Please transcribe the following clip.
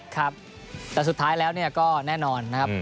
ครับแต่สุดท้ายแล้วก็แน่นอนนะครับ